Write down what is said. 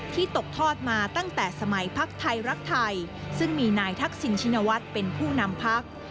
ตกทอดมาตั้งแต่สมัยพักไทยรักไทยซึ่งมีนายทักษิณชินวัฒน์เป็นผู้นำพัก